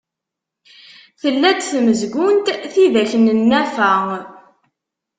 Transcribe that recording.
Tella-d tmezgunt tidak n Nna Fa.